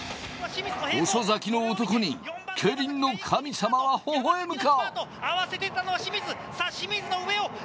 遅咲きの男に競輪の神様はほほ笑むか？